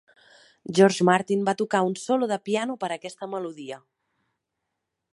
George Martin va tocar un solo de piano per a aquesta melodia.